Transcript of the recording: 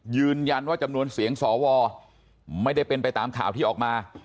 ยืนยันว่าจำนวนเสียงสวไม่ได้เป็นไปตามข่าวที่ออกมา